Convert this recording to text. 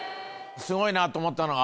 スゴいなと思ったのが。